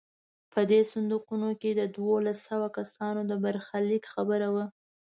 په دې صندوقونو کې د دولس سوه کسانو د برخلیک خبره وه.